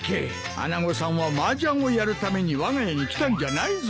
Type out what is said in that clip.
穴子さんはマージャンをやるためにわが家に来たんじゃないぞ。